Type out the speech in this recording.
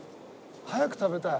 早く食べたい。